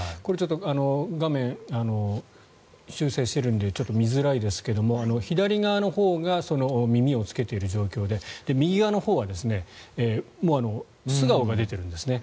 画面、修正しているのでちょっと見づらいですが左側のほうが耳をつけている状況で右側のほうは素顔が出ているんですね。